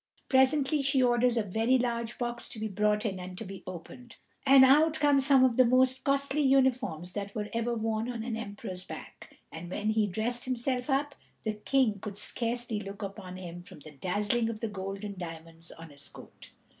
Presently she orders a very large box to be brought in and to be opened, and out come some of the most costly uniforms that were ever worn on an emperor's back; and when he dressed himself up, the King could scarcely look upon him from the dazzling of the gold and diamonds on his coat.